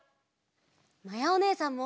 まやおねえさんも！